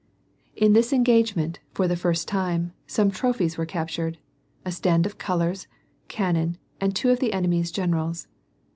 In this engagement, for the Hrst time, some trophies were captured : a stand of colors, cannon, and two of the enemy's generals.